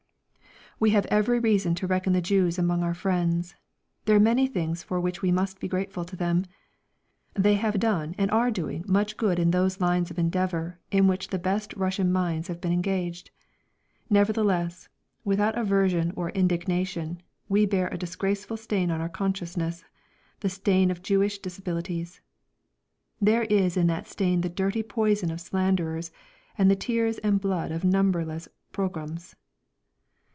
We have every reason to reckon the Jews among our friends; there are many things for which we must be grateful to them: they have done and are doing much good in those lines of endeavour in which the best Russian minds have been engaged. Nevertheless, without aversion or indignation, we bear a disgraceful stain on our consciousness, the stain of Jewish disabilities. There is in that stain the dirty poison of slanders and the tears and blood of numberless pogroms.